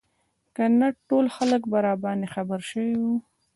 که نه ټول خلک به راباندې خبر شوي وو.